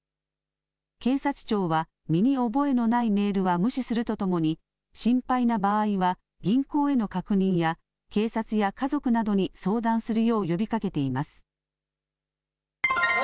警察庁は身に覚えのないメールは無視するとともに、心配な場合は銀行への確認や警察や家族などに相談するよう呼びかけています。